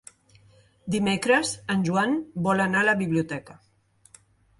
Dimecres en Joan vol anar a la biblioteca.